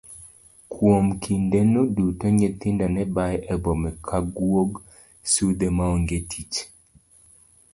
Kuom kinde no duto nyithindo nebayo e boma ka guog sudhe maonge tich.